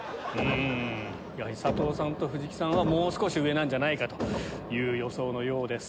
やはり佐藤さんと藤木さんはもう少し上なんじゃないかという予想のようです。